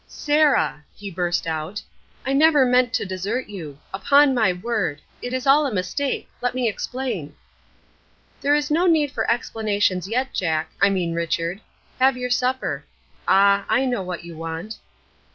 "Sarah!" he burst out, "I never meant to desert you. Upon my word. It is all a mistake. Let me explain." "There is no need for explanations yet, Jack I mean Richard. Have your supper. Ah! I know what you want."